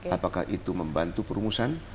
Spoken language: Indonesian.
apakah itu membantu perumusan